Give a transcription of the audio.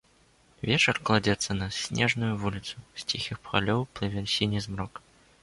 Вечар кладзецца на снежную вуліцу, з ціхіх палёў плыве сіні змрок.